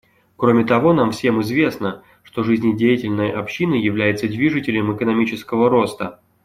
Кроме того, нам всем известно, что жизнедеятельная община является движителем экономического роста.